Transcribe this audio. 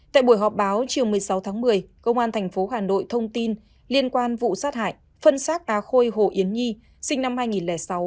tại buổi họp báo chiều một mươi sáu tháng một mươi công an thành phố hà nội thông tin liên quan vụ sát hại phân sát a khôi hồ yến nhi sinh năm hai nghìn sáu hà nội